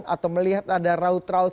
atau melihat ada raut raut